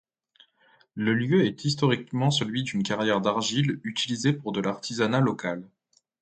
Le lieu est historiquement celui d'une carrière d'argile utilisée pour de l'artisanat local.